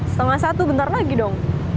setengah satu bentar lagi dong